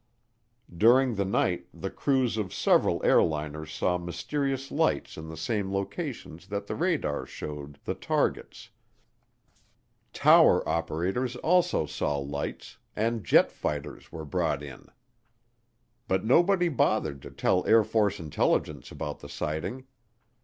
During the night the crews of several airliners saw mysterious lights in the same locations that the radars showed the targets; tower operators also saw lights, and jet fighters were brought in. But nobody bothered to tell Air Force Intelligence about the sighting.